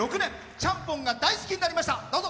ちゃんぽんが大好きになりました。